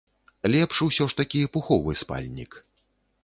Лепш усё ж такі пуховы спальнік.